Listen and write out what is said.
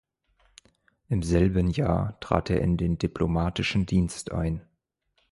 Im selben Jahr trat er in den diplomatischen Dienst ein.